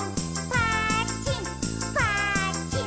「ぱっちんぱっちん」